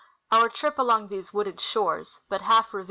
Our trip along these wooded shores, but half revealed 82